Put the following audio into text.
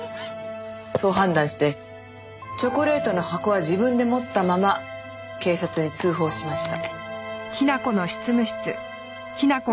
そう判断してチョコレートの箱は自分で持ったまま警察に通報しました。